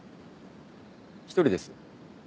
１人です。